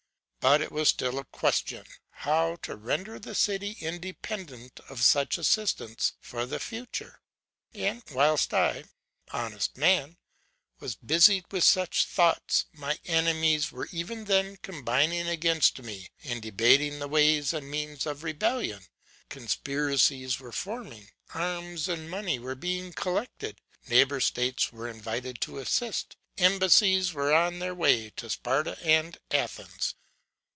But it was still a question, how to render the city independent of such assistance for the future. And whilst I honest man! was busied with such thoughts, my enemies were even then combining against me, and debating the ways and means of rebellion; conspiracies were forming, arms and money were being collected, neighbour states were invited to assist, embassies were on their way to Sparta and Athens.